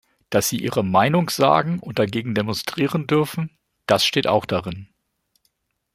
Dass sie ihre Meinung sagen und dagegen demonstrieren dürfen, das steht auch darin.